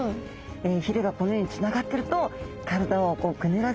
ひれがこのようにつながってると体をくねらせやすい。